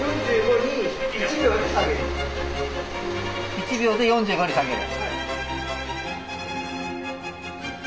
１秒で４５に下げる。